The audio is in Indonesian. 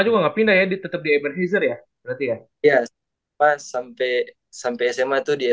juga nggak pindah ya ditetap di ebenezer ya berarti ya ya pas sampai sampai sma tuh dia